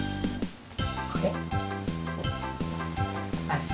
これ？